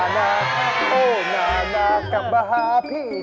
โอนานาโอนานากับมหาพี่เธอ